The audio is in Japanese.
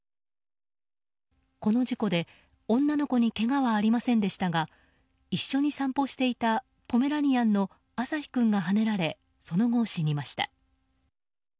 この事故で女の子にけがはありませんでしたが一緒に散歩をしていたポメラニアンの朝陽君がはねられその後、死にました。